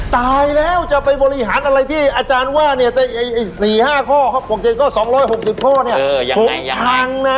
ตายแล้วจะไปบริหารอะไรที่อาจารย์ว่าเนี่ย๔๕ข้อ๖๗ข้อ๒๖๐ข้อเนี่ย๖พังนะ